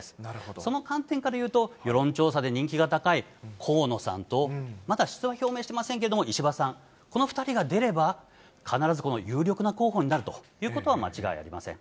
その観点から言うと、世論調査で人気が高い河野さんと、まだ出馬表明してませんけども、石破さん、この２人が出れば、必ず有力な候補になるということは間違いありません。